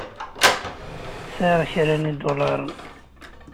Sɛiɣ kra n yidulaṛen.